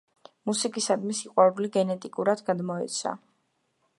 მუსიკისადმი სიყვარული გენეტიკურად გადმოეცა.